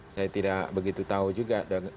saya tidak begitu tahu juga